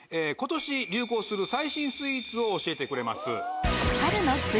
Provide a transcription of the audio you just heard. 今年流行する最新スイーツを教えてくれます。